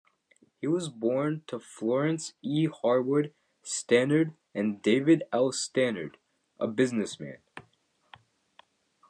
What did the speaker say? He was born to Florence E. Harwood Stannard and David L. Stannard, a businessman.